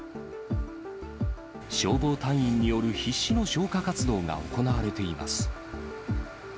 消防隊員による必死の消火活動が行われています。